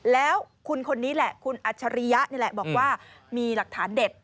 แล้วคุณคนนี้แหละคุณอัจฉริยะนี่แหละบอกว่ามีหลักฐานเด็ด